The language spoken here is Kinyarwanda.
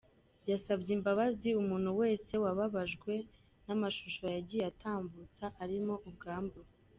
Yasabye imbabazi umuntu wese wababajwe n’amashusho yagiye atambutsa arimo ubwambure.